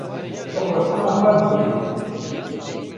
Tu Qur’ana xwe bixwîne